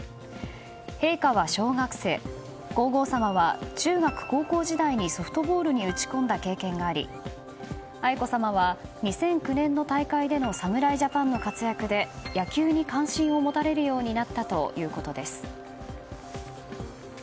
陛下は小学生皇后さまは中学・高校時代にソフトボールに打ち込んだ経験があり愛子さまは２００９年の大会での侍ジャパンの活躍で野球に関心を持たれるようになったということです。